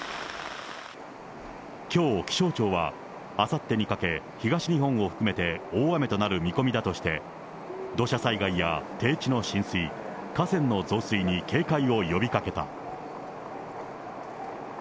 きょう、気象庁は、あさってにかけ、東日本を含めて大雨となる見込みだとして、土砂災害や低地の浸水、河川の増水に警戒を呼びかけた。